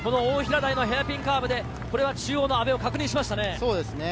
ヘアピンカーブで中央の阿部を確認しましたね。